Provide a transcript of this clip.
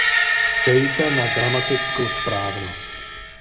Dbejte na gramatickou správnost.